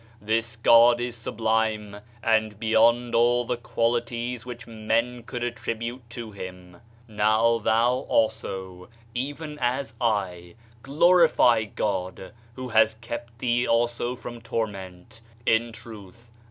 This God is sublime, and beyond all the qualities which men could attribute to him! "Now thou also, even as I, glorify God, who has kept thee also from torment! In truth!